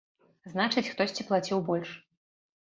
Значыць, хтосьці плаціў больш!